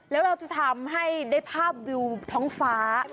แล้วเราจะทำให้ได้ภาพวิวท้องฟ้า